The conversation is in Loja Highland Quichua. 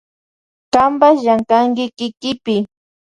Kanpash llankanki kikipi.